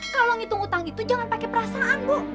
kalau ngitung hutang itu jangan pakai perasaan bu